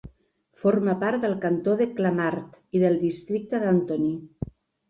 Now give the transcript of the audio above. Forma part del cantó de Clamart i del districte d'Antony.